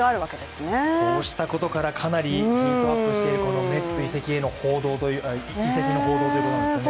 こうしたことからかなりヒートアップしているメッツ移籍の報道ということなんですよね。